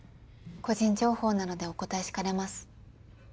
個人情報なのでお答えしかねます。